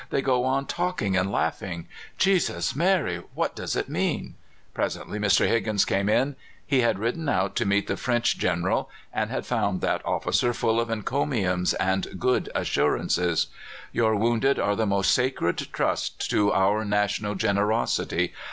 They go on talking and laughing. Jesus! Maria! What does it mean?" Presently Mr. Higgins came in. He had ridden out to meet the French General, and had found that officer full of encomiums and good assurances. "Your wounded are the most sacred trust to our national generosity.